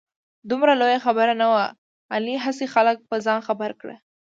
دومره لویه خبره نه وه. علي هسې خلک په ځان خبر کړ.